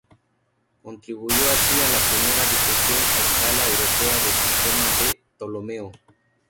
Contribuyó así a la primera difusión a escala europea del sistema de Ptolomeo.